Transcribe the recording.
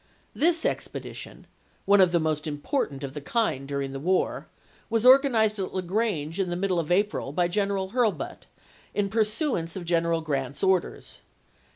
This ex pedition, one of the most important of the kind during the war, was organized at La Grange in the 1863. middle of April by General Hurlbut in pursuance of General Grant's orders.